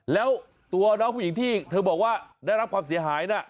แล้วตัวน้องผู้หญิงที่เธอบอกว่าได้รับความเสียหายน่ะ